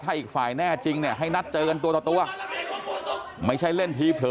ถ้าอีกฝ่ายแน่จริงเนี่ยให้นัดเจอกันตัวต่อตัวไม่ใช่เล่นทีเผลอ